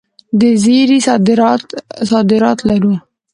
د زیرې صادرات لرو؟